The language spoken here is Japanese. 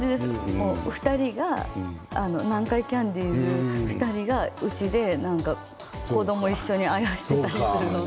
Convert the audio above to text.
もう２人が、南海キャンディーズ２人がうちで子ども一緒にあやしたりしているのは。